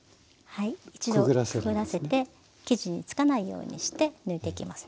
はい一度くぐらせて生地につかないようにして抜いていきます。